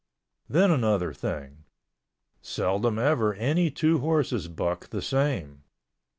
Then another thing—seldom ever any two horses buck the same.